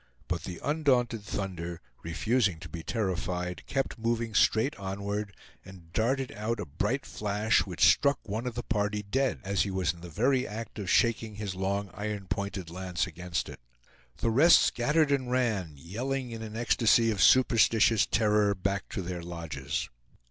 But the undaunted thunder, refusing to be terrified, kept moving straight onward, and darted out a bright flash which struck one of the party dead, as he was in the very act of shaking his long iron pointed lance against it. The rest scattered and ran yelling in an ecstasy of superstitious terror back to their lodges.